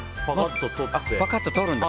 パカッととるんだ。